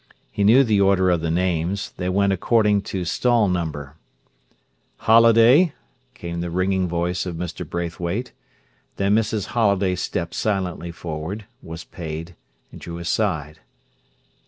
He knew the order of the names—they went according to stall number. "Holliday," came the ringing voice of Mr. Braithwaite. Then Mrs. Holliday stepped silently forward, was paid, drew aside.